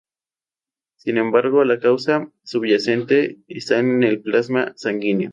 Sin embargo, la causa subyacente está en el plasma sanguíneo.